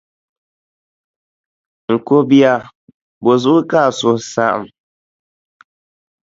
N ko bia, bɔ zuɣu ka a suhu saɣim?